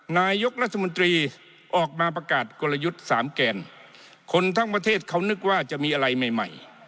นายกรัฐมนตรีออกมาประกาศกลยุทธ์สามแกนคนทั้งประเทศเขานึกว่าจะมีอะไรใหม่ใหม่